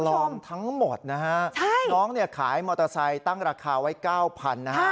ปลอมทั้งหมดนะฮะน้องเนี่ยขายมอเตอร์ไซค์ตั้งราคาไว้เก้าพันนะฮะ